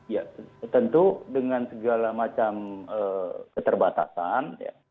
ya tentu dengan segala macam keterbatasan